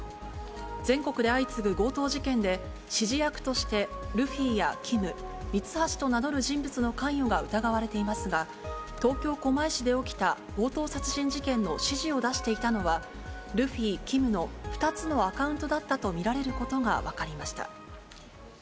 全国で相次ぐ強盗事件で、指示役としてルフィやＫＩＭ、ミツハシと名乗る人物の関与が疑われていますが、東京・狛江市で起きた、強盗殺人事件の指示を出していたのはルフィ、ＫＩＭの２つのアカウントだったと見られることが分かりました。